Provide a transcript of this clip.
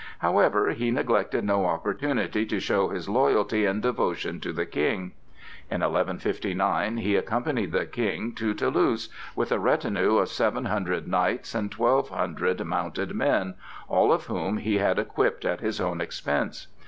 However, he neglected no opportunity to show his loyalty and devotion to the King. In 1159 he accompanied the King to Toulouse, with a retinue of seven hundred knights and twelve hundred mounted men, all of whom he had equipped at his own expense.